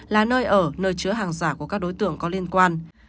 là nơi ở nơi chứa hàng giả của các đối tượng có liên quan